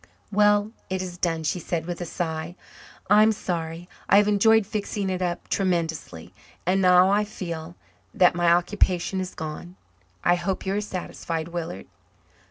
"Well, it is done," she said with a sigh. "I'm sorry. I have enjoyed fixing it up tremendously, and now I feel that my occupation is gone. I hope you are satisfied, Willard."